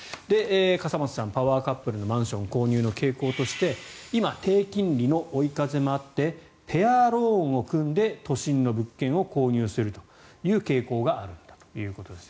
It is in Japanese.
笠松さん、パワーカップルのマンション購入の傾向として今、低金利の追い風もあってペアローンを組んで都心の物件を購入するという傾向があるということです。